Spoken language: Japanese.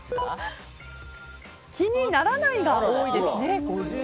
気にならないが多いですね。